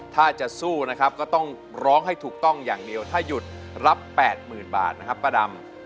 ถ้าจะสู้นะครับก็ต้องร้องให้ถูกต้องอย่างเดียวถ้าหยุดรับ๘๐๐๐บาทนะครับป้าดำ